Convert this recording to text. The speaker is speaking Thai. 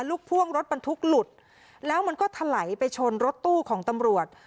ลูกพ่วงรถมันทุกข์หลุดแล้วมันก็ทันไหลไปชนรถตู้ของตำรวจ